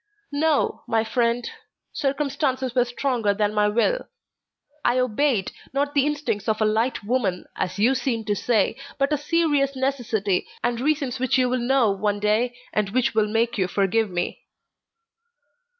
"No, my friend; circumstances were stronger than my will. I obeyed, not the instincts of a light woman, as you seem to say, but a serious necessity, and reasons which you will know one day, and which will make you forgive me."